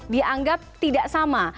dianggap tidak sama